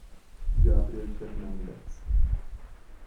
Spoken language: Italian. Gabriel Fernández